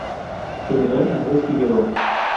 General Andres Figueroa